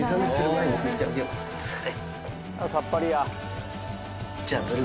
さっぱりや。